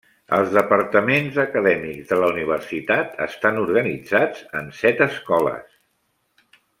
Els departaments acadèmics de la universitat estan organitzats en set escoles.